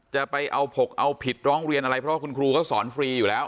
จะเอาผกเอาผิดร้องเรียนอะไรเพราะว่าคุณครูก็สอนฟรีอยู่แล้ว